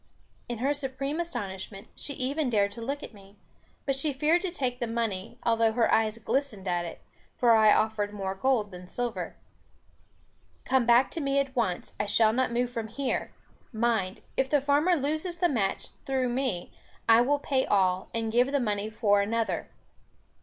In her supreme astonishment, she even dared to look at me. But she feared to take the money, although her eyes glistened at it, for I offered more gold than silver. "Come back to me at once; I shall not move from here. Mind, if the farmer loses the match through me, I will pay all, and give the money for another."